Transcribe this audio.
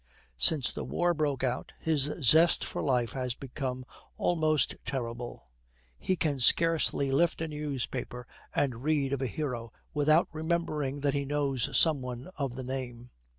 Since the war broke out, his zest for life has become almost terrible. He can scarcely lift a newspaper and read of a hero without remembering that he knows some one of the name.